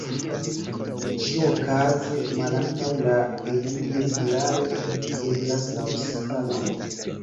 Ĉiuokaze malantaŭ la eventoj klare videblas la rusia mano.